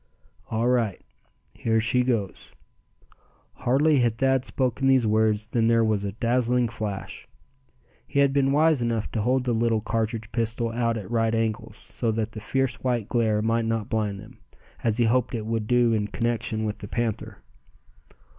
"All right. Here she goes!" Hardly had Thad spoken these words than there was a dazzling flash. He had been wise enough to hold the little cartridge pistol out at right angles, so that the fierce white glare might not blind them, as he hoped it would do in connection with the panther.